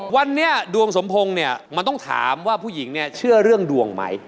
วันนี้ดวงสมพงศ์เนี่ยมันต้องถามว่าผู้หญิงเนี่ยเชื่อเรื่องดวงไหม